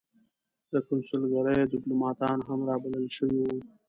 د کنسلګریو دیپلوماتان هم را بلل شوي وو.